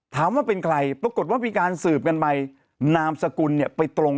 ถามว่าเป็นใครปรากฏว่ามีการสืบกันไปนามสกุลเนี่ยไปตรง